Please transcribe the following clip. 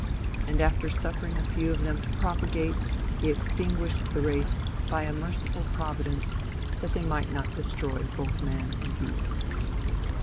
And after suffering a few of them to propagate, he extinguished the race by a merciful providence, that they might not destroy both man and beast.